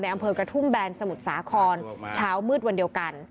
อำเภอกระทุ่มแบนสมุทรสาครเช้ามืดวันเดียวกัน